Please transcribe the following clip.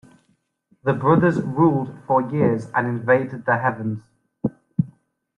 The brothers ruled for years and invaded the heavens.